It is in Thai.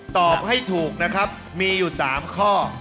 ตอบให้ถูกนะครับมีอยู่๓ข้อ